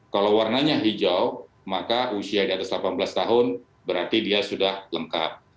kalau warnanya hijau maka usia di atas delapan belas tahun berarti dia sudah lengkap